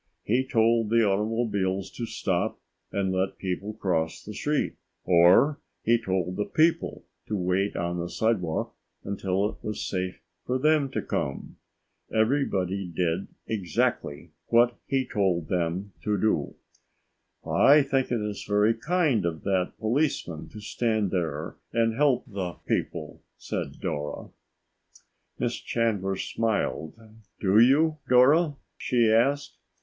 He told the automobiles to stop and let people cross the street, or he told the people to wait on the sidewalk until it was safe for them to come. Everybody did exactly what he told them to do. "I think it is very kind of that policeman to stand there and help the people," said Dora. Miss Chandler smiled. "Do you, Dora?" she asked.